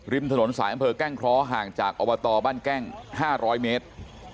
ถนนสายอำเภอแก้งเคราะห์ห่างจากอบตบ้านแกล้ง๕๐๐เมตร